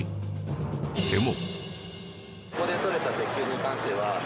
でも。